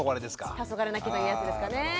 たそがれ泣きというやつですかねえ。